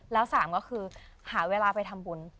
แล้ว๓ก็คือหาเวลาไปทำบุญ